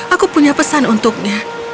aku punya pesan untuknya